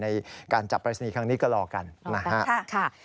ในการจับปรายศนีย์ครั้งนี้ก็รอกันนะครับ